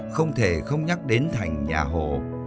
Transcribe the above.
không thể không nhắc đến thành nhà hộ